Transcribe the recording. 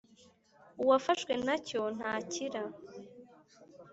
uwafashwe na cyo ntakira